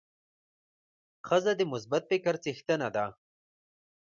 ښځه د مثبت فکر څښتنه ده.